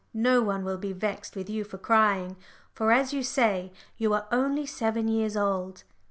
no one will be vexed with you for crying, for, as you say, you are only seven years old."